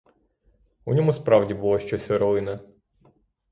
У ньому справді було щось орлине.